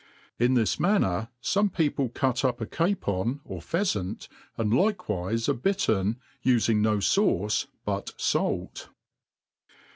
In this manner fome people cut up a capon or pheafant, and likewife a bittern, ufing no fauce but fait.